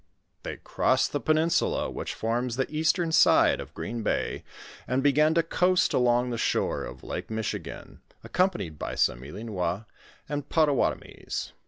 They crossed the peninsula which forms the eastern side of Green bay, and began to coast along the shore of Lake Michigan, accompanied by some Ilinois and Poltawatomies.